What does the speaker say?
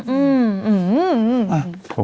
อืม